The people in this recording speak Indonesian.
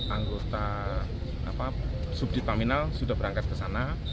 anggota sub dipaminal sudah berangkat ke sana